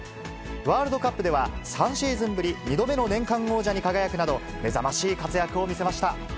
ワールドカップでは３シーズンぶり２度目の年間王者に輝くなど、目覚ましい活躍を見せました。